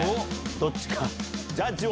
どっちも。